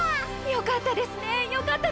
よかったですね！